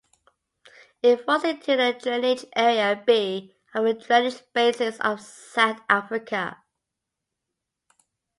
It falls into the Drainage Area B of the Drainage basins of South Africa.